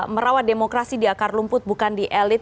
merawat demokrasi di akar rumput bukan di elit